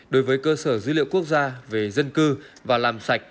đối với cơ sở dữ liệu quốc gia về dân cư và làm sạch